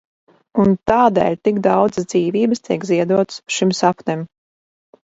Un tādēļ tik daudzas dzīvības tiek ziedotas šim sapnim.